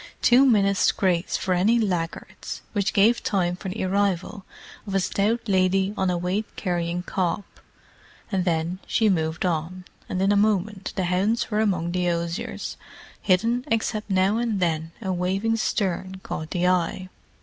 Two minutes' grace for any laggards—which gave time for the arrival of a stout lady on a weight carrying cob—and then she moved on, and in a moment the hounds were among the osiers, hidden except that now and then a waving stern caught the eye.